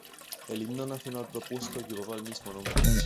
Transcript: El himno nacional propuesto llevaba el mismo nombre.